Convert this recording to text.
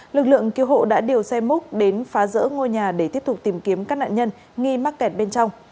lực lượng cứu hộ đã điều xe múc đến phá rỡ ngôi nhà để tiếp tục tìm kiếm các nạn nhân nghi mắc kẹt bên trong